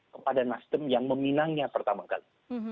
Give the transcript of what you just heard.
kepada nasdem yang meminangnya pertama kali